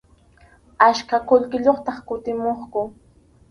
Achka qullqiyuqtaq kutimuqku.